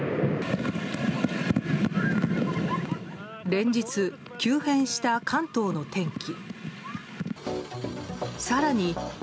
連日、急変した関東の天気。